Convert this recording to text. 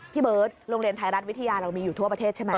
พี่เบิร์ตโรงเรียนไทยรัฐวิทยาเรามีอยู่ทั่วประเทศใช่ไหม